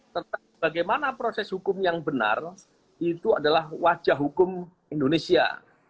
tentang bagaimana proses hukum yang benar itu adalah wajah hukum indonesia